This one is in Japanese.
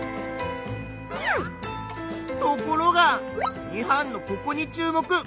ところが２班のここに注目！